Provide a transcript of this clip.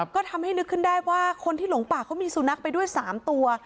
ก็ทำให้นึกขึ้นได้ว่าคนที่หลงป่าเขามีสุนัขไปด้วย๓ตัว